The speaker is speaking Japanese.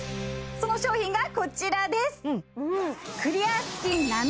その商品がこちらです